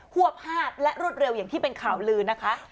วบ๕และรวดเร็วอย่างที่เป็นข่าวลือนะคะ